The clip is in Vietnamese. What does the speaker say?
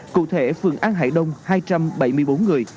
cụ thể phường an hải đông hai trăm bảy mươi bốn người